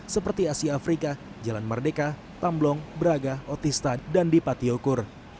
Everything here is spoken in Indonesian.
seperti asia afrika jalan merdeka tamblong braga otista dan di patiokur